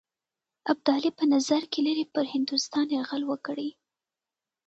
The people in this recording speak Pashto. ابدالي په نظر کې لري پر هندوستان یرغل وکړي.